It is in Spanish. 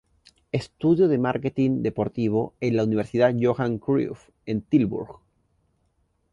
Estudió marketing deportivo en la Universidad Johan Cruyff en Tilburg.